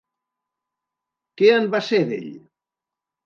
Què en va ser, d'ell?